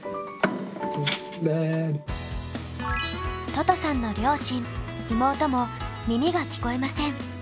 ととさんの両親妹も耳が聞こえません。